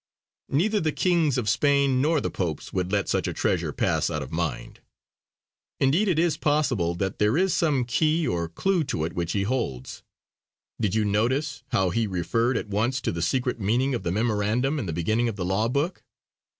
Neither the kings of Spain nor the Popes would let such a treasure pass out of mind. Indeed it is possible that there is some key or clue to it which he holds. Did you notice how he referred at once to the secret meaning of the memorandum in the beginning of the law book?